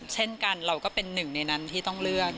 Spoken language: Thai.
เช่นกันเราก็เป็นหนึ่งในนั้นที่ต้องเลือก